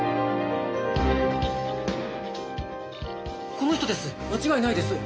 この人です間違いないです！